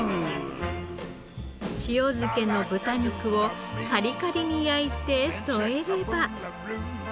塩漬けの豚肉をカリカリに焼いて添えれば。